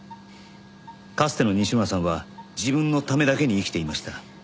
かつての西村さんは自分のためだけに生きていました。